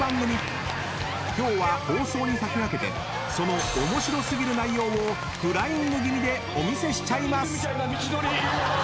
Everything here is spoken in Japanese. ［今日は放送に先駆けてその面白過ぎる内容をフライング気味でお見せしちゃいます］